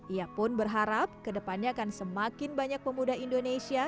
ia pun berharap kedepannya akan semakin banyak pemuda indonesia